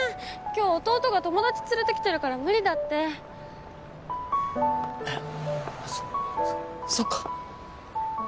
今日弟が友達連れて来てるから無理だってえっ？